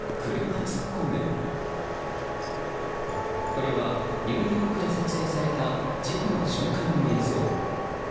これはニューヨークで撮影された、事故の瞬間の映像。